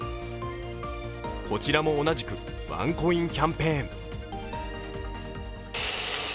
こちらも同じくワンコインキャンペーン。